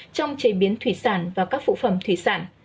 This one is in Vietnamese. trong chế biến thủy sản và các phụ phẩm thủy sản